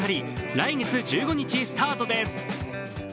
来月１５日スタートです。